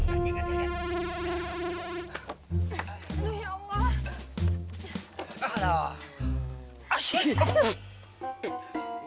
aduh ya allah